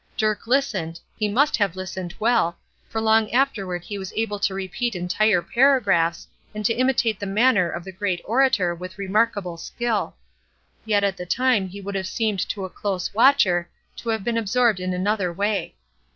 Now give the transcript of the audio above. Dirk listened; he must have listened well, for long afterward he was able to repeat entire paragraphs, and to imitate the manner of the great orator with remarkable skill; yet at the time he would have seemed to a close watcher to have been absorbed in another way.